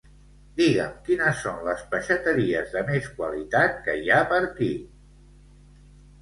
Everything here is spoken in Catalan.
Digue'm quines són les peixateries de més qualitat que hi ha per aquí.